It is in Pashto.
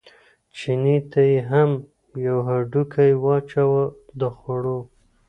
چیني ته یې هم یو هډوکی واچاوه د خوړو.